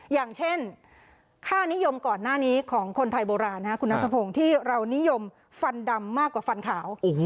อย่างเช่นค่านิยมก่อนหน้านี้ของคนไทยโบราณคุณนัทพงศ์ที่เรานิยมฟันดำมากกว่าฟันขาว